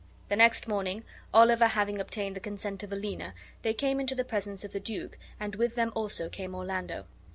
The next morning, Oliver having obtained the consent of Aliena, they came into the presence of the duke, and with them also came Orlando.